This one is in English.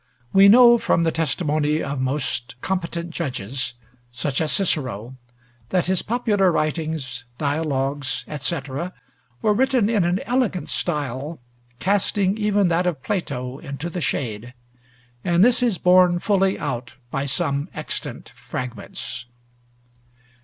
We know, from the testimony of most competent judges, such as Cicero, that his popular writings, dialogues, etc., were written in an elegant style, casting even that of Plato into the shade; and this is borne fully out by some extant fragments.